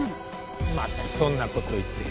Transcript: またそんなこと言って。